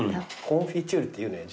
コンフィチュールって言うなよ。